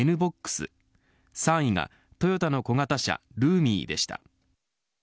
Ｎ‐ＢＯＸ３位がトヨタの小型車ルーミーでした。